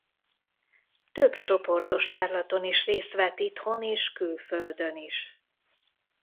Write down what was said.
Több csoportos tárlaton is részt vett itthon és külföldön is.